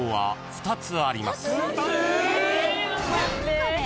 ・２つ！？